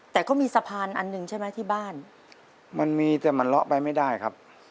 แต่ก็มีสะพานอันหนึ่งใช่ไหมที่บ้านมันมีแต่มันเลาะไปไม่ได้ครับ